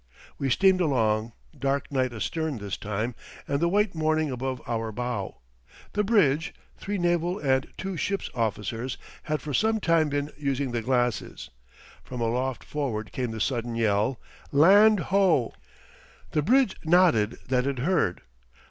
We steamed along, dark night astern this time and the white morning above our bow. The bridge three naval and two ship's officers had for some time been using the glasses. From aloft forward came the sudden yell: "Land ho!" The bridge nodded that it heard.